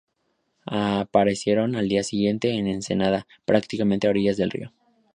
Aparecieron al día siguiente en Ensenada, prácticamente a orillas del río.